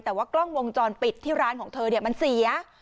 แต่ว่ากล้องวงจรปิดที่ร้านของเธอเนี่ยมันเสีย